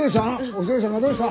お寿恵さんがどうした？